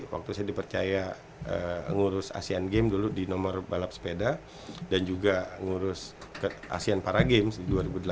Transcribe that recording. waktu saya dipercaya ngurus asean games dulu di nomor balap sepeda dan juga ngurus asean para games dua ribu delapan belas